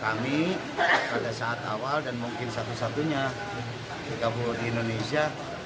kami pada saat awal dan mungkin satu satunya di kabupaten indonesia